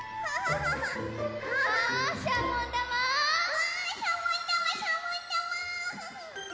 わっしゃぼんだましゃぼんだま！